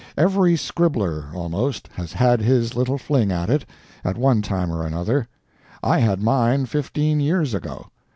Every scribbler, almost, has had his little fling at it, at one time or another; I had mine fifteen years ago.